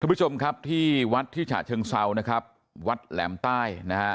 ผู้ชมครับที่วัดที่ฉะเชิงเซานะครับวัดแหลมใต้นะฮะ